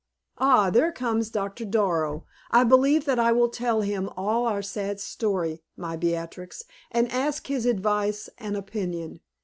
Ah, there comes Doctor Darrow! I believe that I will tell him all our sad story, my Beatrix, and ask his advice and opinion.